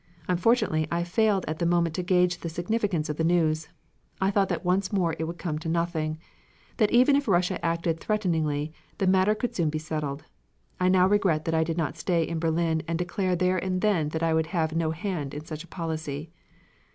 Unfortunately, I failed at the moment to gauge the significance of the news. I thought that once more it would come to nothing; that even if Russia acted threateningly, the matter could soon be settled. I now regret that I did not stay in Berlin and declare there and then that I would have no hand in such a policy.